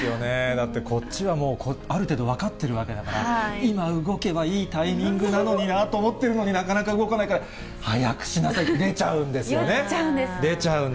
だってこっちはもう、ある程度、分かってるわけだから、今動けばいいタイミングなのになと思ってるのに、なかなか動かないから、早くしなさいって出ちゃうんです出ちゃうんです。